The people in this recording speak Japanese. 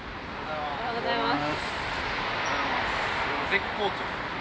おはようございます。